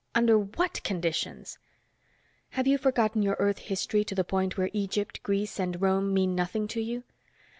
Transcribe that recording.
"Under what conditions!" "Have you forgotten your Earth history to the point where Egypt, Greece and Rome mean nothing to you?